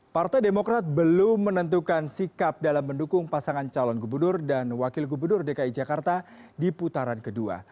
partai demokrat belum menentukan sikap dalam mendukung pasangan calon gubernur dan wakil gubernur dki jakarta di putaran kedua